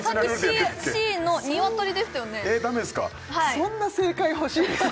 そんな正解欲しいですか？